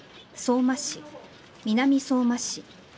相馬市、南相馬市。